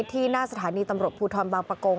ที่หน้าสถานีตำรวจภูทรบางประกง